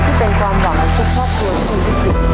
ที่เป็นความหวังให้ช่วยครอบครัวที่สุด